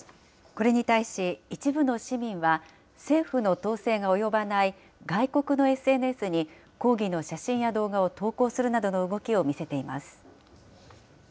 これに対し、一部の市民は、政府の統制が及ばない外国のＳＮＳに抗議の写真や動画を投稿するなどの動きを見せています。